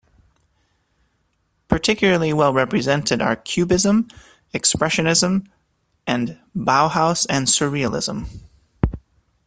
Particularly well represented are Cubism, Expressionism, the Bauhaus and Surrealism.